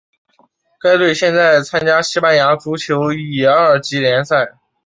该队现在参加西班牙足球乙二级联赛。